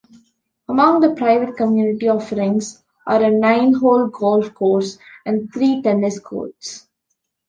Among the private community offerings are a nine-hole golf course and three tennis courts.